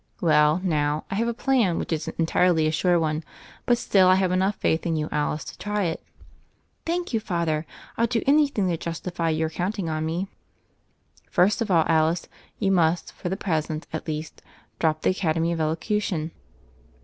"Well, now, I have a plan which isn't entirely a sure one; but still I have enough faith in you, Alice, to try it." "Thank you. Father: I'lL do anything to justify your counting on me." "First of all, Alice, you must, for the pres ent at least, drop the academy of elocution."